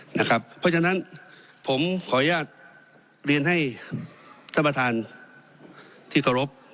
เพราะฉะนั้นผมขออนุญาตเรียนให้ท่านประธานที่เคารพ